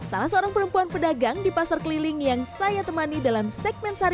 salah seorang perempuan pedagang di pasar keliling yang saya temani dalam segmen sehari